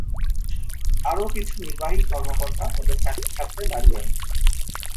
আরও কিছু নির্বাহী কর্মকর্তা তাদের চাকরি ছাড়তে লাগলেন।